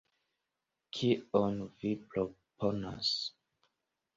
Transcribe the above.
Kion vi proponas?